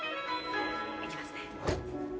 行きますね。